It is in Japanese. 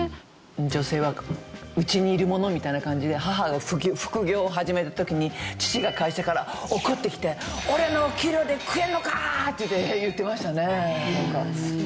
女性は家にいるものみたいな感じで母が副業を始める時に父が会社から怒ってきて俺の給料で食えんのか！って言ってましたね。